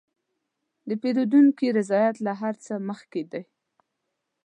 د پیرودونکي رضایت له هر څه مخکې دی.